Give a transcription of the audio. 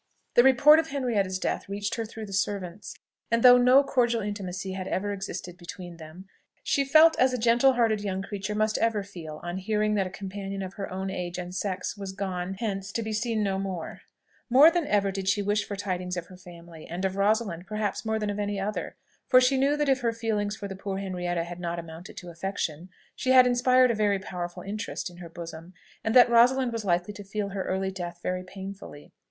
The report of Henrietta's death reached her through the servants; and though no cordial intimacy had ever existed between them, she felt as a gentle hearted young creature must ever feel on hearing that a companion of her own age and sex was gone hence to be no more seen. More than ever did she wish for tidings of her family; and of Rosalind, perhaps, more than of any other: for she knew that if her feelings for the poor Henrietta had not amounted to affection, she had inspired a very powerful interest in her bosom, and that Rosalind was likely to feel her early death very painfully.